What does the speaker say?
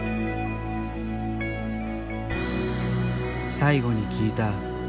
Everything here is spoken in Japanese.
最後に聞いた。